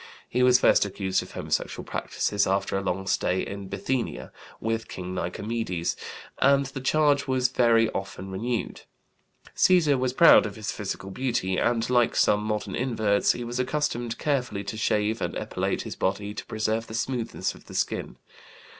He was first accused of homosexual practices after a long stay in Bithynia with King Nikomedes, and the charge was very often renewed. Cæsar was proud of his physical beauty, and, like some modern inverts, he was accustomed carefully to shave and epilate his body to preserve the smoothness of the skin.